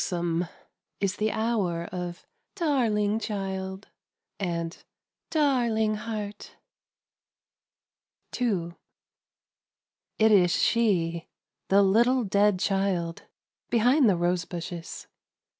ome is the hour of ' darling hild ' and ' darling SI Three Prose Poems. II. IT is she, the little dead child, behind the rose bushes.